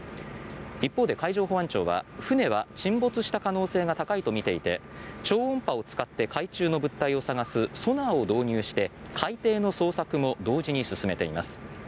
一方で海上保安庁は船は沈没した可能性が高いとみていて超音波を使って海中の物体を探すソナーを導入して海底の捜索も同時に進めています。